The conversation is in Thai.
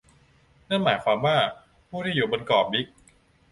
นั่นหมายความว่า ผู้ที่อยู่บนเกาะบิ๊ก